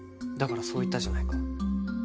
だからそう言ったじゃないか。